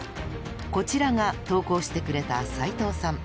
こちらが投稿してくれた齊藤さん。